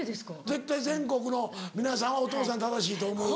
絶対全国の皆さんはお父さん正しいと思うわ。